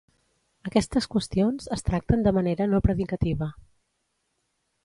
Aquestes qüestions es tracten de manera no predicativa.